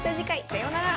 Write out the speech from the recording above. さようなら。